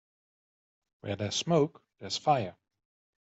Where there's smoke there's fire.